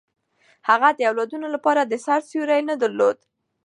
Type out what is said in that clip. هغه د اولادونو لپاره د سر سیوری نه درلود.